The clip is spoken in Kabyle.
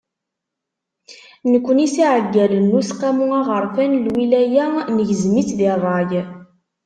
Nekkni s yiɛeggalen n Useqqamu Aɣerfan n Lwilaya, negzem-itt di ṛṛay.